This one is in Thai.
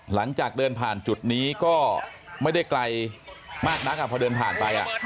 หลังจากเดินผ่านจุดนี้ก็ไม่ได้ไกลมากนักพอเดินผ่านไป